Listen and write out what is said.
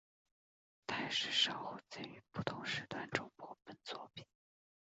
台视稍后曾于不同时段重播本作品。